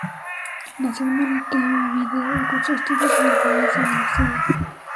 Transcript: Nació en Montevideo y cursó estudios en el país y en el exterior.